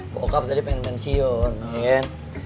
bokap tadi pengen bension